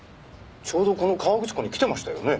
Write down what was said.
ちょうどこの河口湖に来てましたよね？